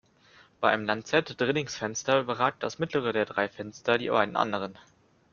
Bei einem Lanzett-Drillingsfenster überragt das mittlere der drei Fenster die beiden anderen.